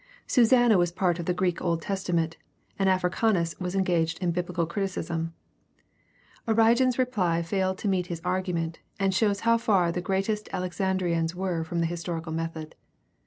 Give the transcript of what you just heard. Susanna was part of the Greek Old Testament, and Africanus was engaged in biblical criticism. Origen's reply failed to meet his argument, and shows how far the greatest Alexandrians were from the historical method.